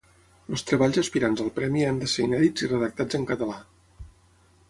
Els treballs aspirants al premi han d'ésser inèdits i redactats en català.